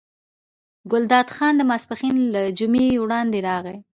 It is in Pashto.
ګلداد خان د ماسپښین له جمعې وړاندې راغی.